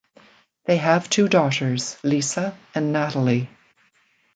They have two daughters, Lisa and Natalie.